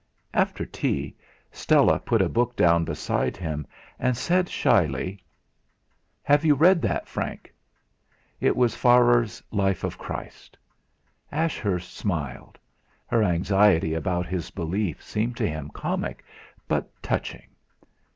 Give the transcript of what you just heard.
After tea Stella put a book down beside him, and said shyly: "Have you read that, Frank?" It was Farrar's "Life of Christ." Ashurst smiled. Her anxiety about his beliefs seemed to him comic, but touching.